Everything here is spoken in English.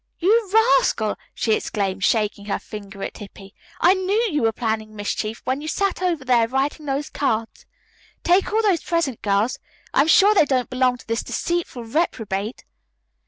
"You rascal!" she exclaimed, shaking her finger at Hippy. "I knew you were planning mischief when you sat over there writing those cards. Take all those presents, girls. I am sure they don't belong to this deceitful reprobate."